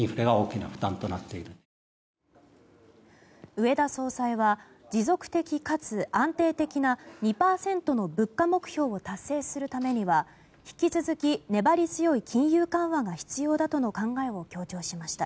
植田総裁は持続的かつ安定的な２％の物価目標を達成するためには引き続き、粘り強い金融緩和が必要だとの考えを示しました。